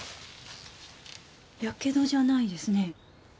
やけどじゃないですね。